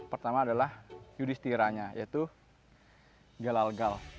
pertama adalah yudhistiranya yaitu galal gal